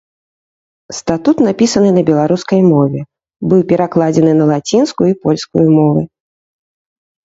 Статут напісаны на беларускай мове, быў перакладзены на лацінскую і польскую мовы.